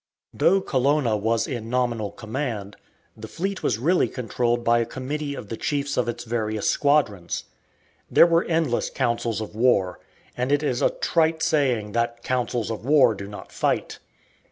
Though Colonna was in nominal command, the fleet was really controlled by a committee of the chiefs of its various squadrons. There were endless councils of war, and it is a trite saying that "councils of war do not fight."